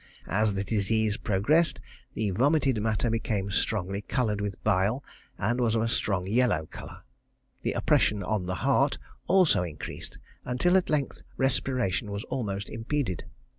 As the disease progressed the vomited matter became strongly coloured with bile, and was of a strong yellow colour. The opression on the heart also increased, until at length respiration was almost impeded.